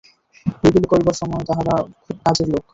এইগুলি করিবার সময় তাঁহারা খুব কাজের লোক।